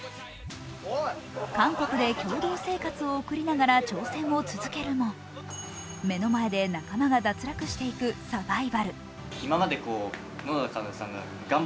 韓国で共同生活を送りながら挑戦を続けるも目の前で仲間が脱落していくサバイバル。